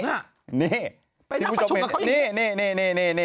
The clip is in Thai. ไปตั้งประชุมกับเขาอีก